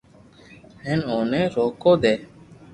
ھين اوني روڪو دي